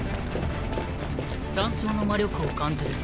団長の魔力を感じる。